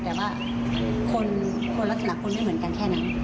แต่ว่าคนลักษณะคนไม่เหมือนกันแค่นั้น